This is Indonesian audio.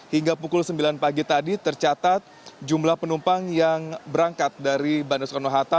hingga pukul sembilan pagi tadi tercatat jumlah penumpang yang berangkat dari bandara soekarno hatta